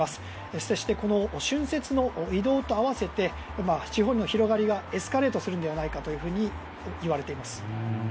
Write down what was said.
そして、春節の移動と合わせて地方への広がりがエスカレートするのではないかといわれています。